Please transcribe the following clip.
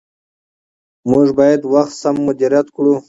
موږ باید وخت سم مدیریت کړو